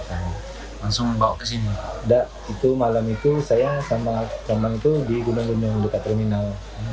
tidak itu malam itu saya sama teman itu di gunung gunung dekat terminal